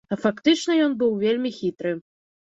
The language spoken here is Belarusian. А фактычна ён быў вельмі хітры.